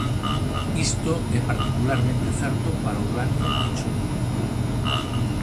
Isto é particularmente certo para o uranio e chumbo.